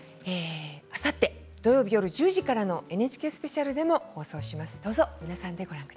あさって土曜日、夜１０時からのＮＨＫスペシャルでも放送します。